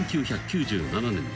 １９９７年］